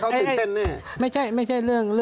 แต่โขมไม่เดี๋ยวนะเขาตื่นเต้นนี่